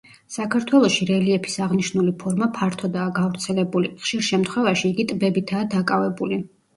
საქართველოში რელიეფის აღნიშნული ფორმა ფართოდაა გავრცელებული, ხშირ შემთხვევაში იგი ტბებითაა დაკავებული.